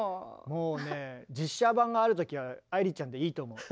もうね実写版がある時は愛理ちゃんでいいと思う。